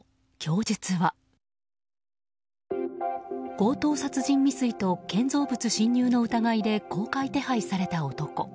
強盗殺人未遂と建造物侵入の疑いで公開手配された男。